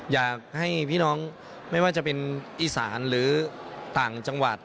อยากให้พี่น้องไม่ว่าจะเป็นอีสานหรือต่างจังหวัด